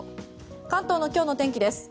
関東の今日の天気です。